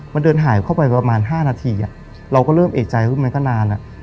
มันเดินหายเข้าไปประมาณ๕นาทีเราก็เริ่มเอกใจว่ามันก็นาน